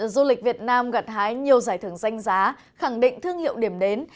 du lịch việt nam gặt hái nhiều giải thưởng danh giá khẳng định thương hiệu điểm đến